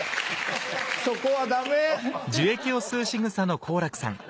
そこはダメ！